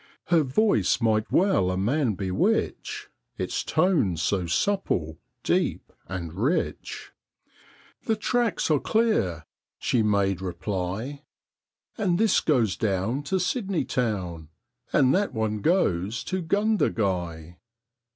Her voice might well a man bewitch Its tones so supple, deep, and rich. 'The tracks are clear,' she made reply, 'And this goes down to Sydney town, And that one goes to Gundagai.'